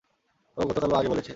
ও গতকালও আগে বলেছে!